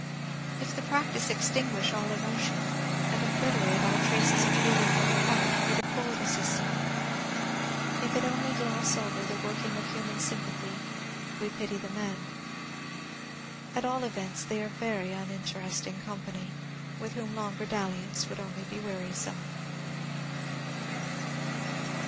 If the practice extinguish all emotion, and obliterate all trace of feeling from the heart, we deplore the system. If it only gloss over the working of human sympathy, we pity the men. At all events, they are very uninteresting company, with whom longer dalliance would only be wearisome.